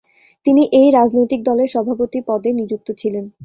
তিনি এই রাজনৈতিক দলের সভাপতি পদে নিযুক্ত ছিলেন।